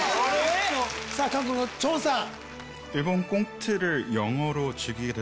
さぁ韓国のチョンさん。